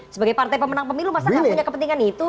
sebagai partai pemenang pemilu masa nggak punya kepentingan itu